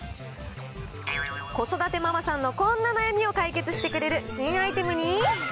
子育てママさんのこんな悩みを解決してくれる新アイテムに。